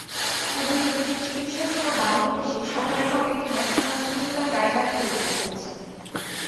Covid রোগীদের চিকিৎসার জন্য বাংলাদেশে সরকারিভাবে একটি ন্যাশনাল ক্লিনিকাল গাইডলাইন তৈরি করা হয়েছে।